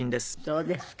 そうですか。